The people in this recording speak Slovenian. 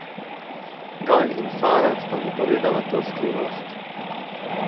Gal in Sara sta mi povedala to skrivnost.